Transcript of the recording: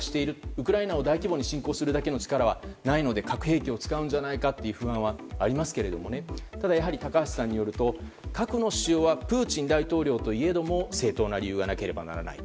ウクライナを大規模に侵攻するだけの力はないので核兵器を使うんじゃないかという不安はありますが高橋さんによると核の使用はプーチン大統領といえども正当な理由がなければならない。